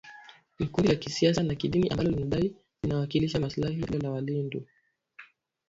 ni kundi la kisiasa na kidini ambalo linadai linawakilisha maslahi ya kabila la walendu